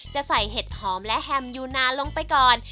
จะใส่เห็ดหอมและแฮมยูนาลงไปก่อน